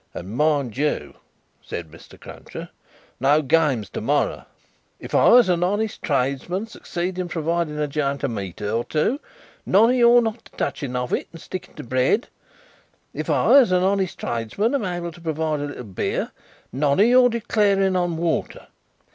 "And mind you!" said Mr. Cruncher. "No games to morrow! If I, as a honest tradesman, succeed in providing a jinte of meat or two, none of your not touching of it, and sticking to bread. If I, as a honest tradesman, am able to provide a little beer, none of your declaring on water.